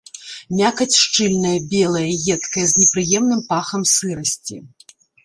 Мякаць шчыльная, белая, едкая, з непрыемным пахам сырасці.